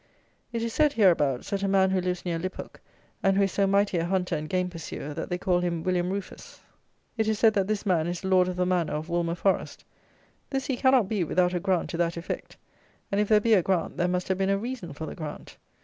It is said, hereabouts, that a man who lives near Liphook, and who is so mighty a hunter and game pursuer, that they call him William Rufus; it is said that this man is Lord of the Manor of Woolmer Forest. This he cannot be without a grant to that effect; and, if there be a grant, there must have been a reason for the grant.